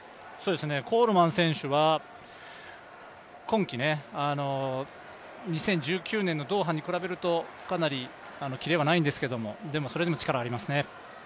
コールマン選手は今季２０１９年のドーハに比べるとかなりキレはないんですが、それでも力はありますね。